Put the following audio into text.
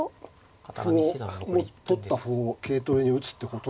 歩を取った歩を桂頭に打つってこと。